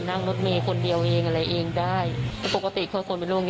นั่งรถเมฆคนเดียวเองอะไรเองได้แต่ปกติเขาคนไปโลกนี้